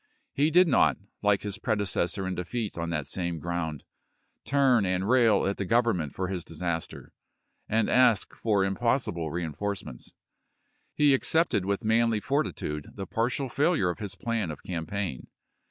He did not, like his predecessor in defeat on that same ground, turn and rail at the Government for his disaster, and ask for impossible reenforcements. He accepted with manly fortitude the partial failure of his plan of campaign.